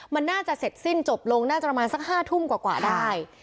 มันน่าจะเสร็จสิ้นจบลงน่าจะประมาณสัก๕ทุ่มกว่าได้